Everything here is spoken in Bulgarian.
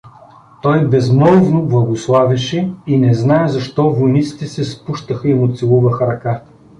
Той безмълвно благославяше и не зная защо, войниците се спущаха и му целуваха ръка.